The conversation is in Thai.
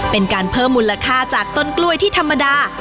เป็นการเพิ่มมูลค่าจากต้นกล้วยที่ธรรมดา